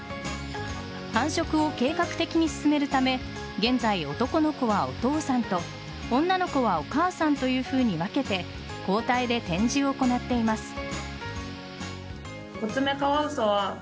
繁殖を計画的に進めるため現在、男の子はお父さんと女の子はお母さんとというふうに分けて交代で展示を行っています。